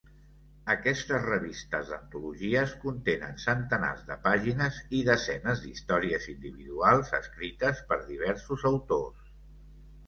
Aquestes revistes d'antologies contenen centenars de pàgines i desenes d'històries individuals escrites per diversos autors.